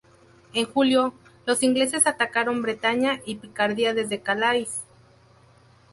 En julio, los ingleses atacaron Bretaña y Picardía desde Calais.